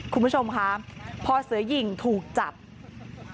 คุณผู้ชมค่ะพอเสือหญิงถูกจับเขาก็ยอมพูดกับนักข่าวนะ